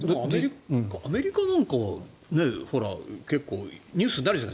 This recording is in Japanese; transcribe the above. アメリカなんかは結構ニュースになるじゃない。